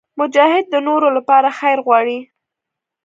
مجاهد د نورو لپاره خیر غواړي.